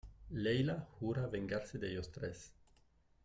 Leila jura vengarse de ellos tres.